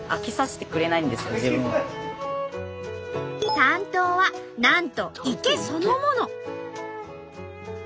担当はなんと池そのもの。